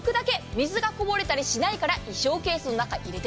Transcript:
水がこぼれたりしないから衣装ケースの中に。